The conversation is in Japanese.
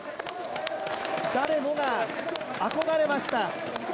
誰もが憧れました。